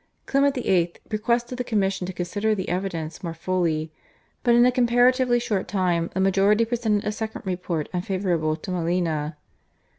Clement VIII. requested the commission to consider the evidence more fully, but in a comparatively short time the majority presented a second report unfavourable to Molina.